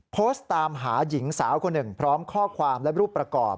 โพสต์ตามหาหญิงสาวคนหนึ่งพร้อมข้อความและรูปประกอบ